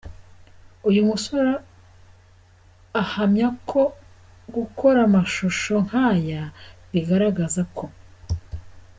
Uyu musore ahamya ko gukora amashusho nkaya bigaragaza ko.